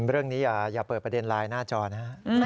เรื่องนี้อย่าเปิดประเด็นไลน์หน้าจอนะฮะ